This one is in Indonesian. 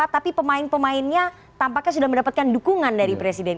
tapi pemain pemainnya tampaknya sudah mendapatkan dukungan dari presiden